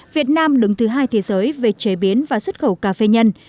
việt nam đứng thứ hai thế giới về chế biến và xuất khẩu cà phê nhân